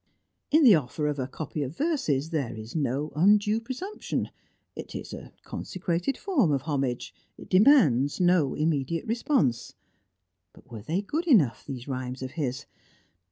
In the offer of a copy of verses there is no undue presumption; it is a consecrated form of homage; it demands no immediate response. But were they good enough, these rhymes of his?